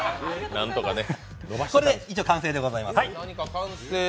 これで一応完成でございます。